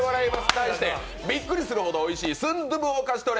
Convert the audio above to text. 題してびっくりするほど美味しいスンドゥブを勝ち取れ！